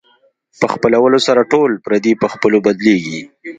په خپلولو سره ټول پردي په خپلو بدلېږي.